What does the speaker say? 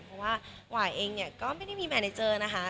เพราะว่าหวายเองก็ไม่ได้มีแมนเจอร์นะคะ